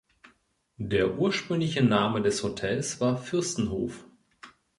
Der ursprüngliche Name des Hotels war "Fürstenhof".